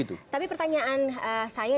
tapi pertanyaan saya